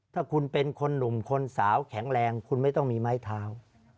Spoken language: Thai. ถ้าคุณเป็นคนหนุ่มคนสาวแข็งแรงคุณไม่ต้องมีไม้เท้า